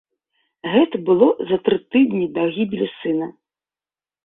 Гэта было за тры тыдні да гібелі сына.